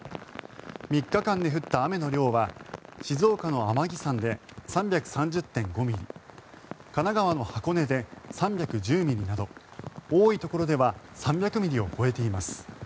３日間で降った雨の量は静岡の天城山で３３０．５ミリ神奈川の箱根で３１０ミリなど多いところでは３００ミリを超えています。